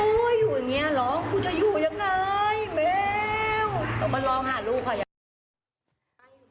กูจะอยู่ยังไงแม่วต้องมาลองหาลูกเขาอย่างงี้